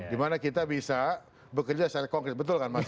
dimana kita bisa bekerja secara konkret betul kan mas